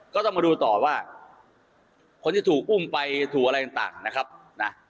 ก็ต้องมาดูต่อว่าคนที่ถูกอุ้มไปถูกอะไรต่างนะครับนะ